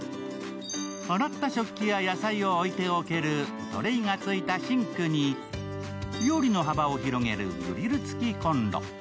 洗った食器や野菜を置いておけるトレーが付いたシンクに、料理の幅を広げるグリル付きコンロ。